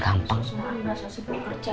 susah susah sih bekerja